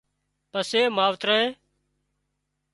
پسي ماوترانئي